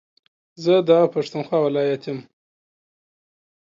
زه دا پښتونخوا ولايت يم